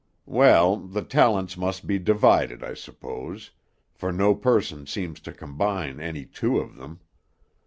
Well, the talents must be divided, I suppose; for no person seems to combine any two of them.